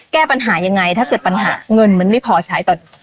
แก้ปัญหายังไงถ้าเกิดปัญหาเงินมันไม่พอใช้ตอน